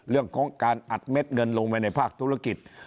เรื่องของการอัดเม็ดเงินลงไปในภาคธุรกิจ